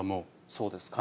そうですか。